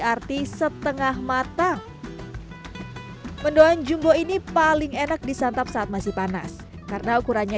arti setengah matang mendoan jumbo ini paling enak disantap saat masih panas karena ukurannya